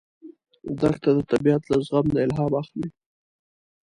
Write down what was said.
دښته د طبیعت له زغم نه الهام اخلي.